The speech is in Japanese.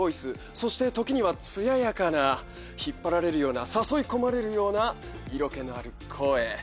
そしてときには艶やかな引っ張られるような誘い込まれるような色気のある声。